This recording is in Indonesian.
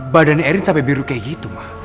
badan erin sampai biru kayak gitu